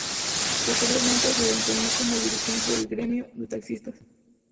Posteriormente se desempeñó como dirigente del gremio de taxistas.